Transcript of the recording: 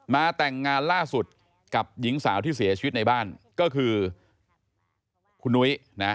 แต่งงานล่าสุดกับหญิงสาวที่เสียชีวิตในบ้านก็คือคุณนุ้ยนะ